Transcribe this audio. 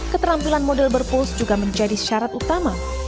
keterampilan model berpuls juga menjadi syarat utama